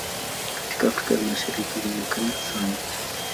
Katika Afrika ya Mashariki huonekana sana.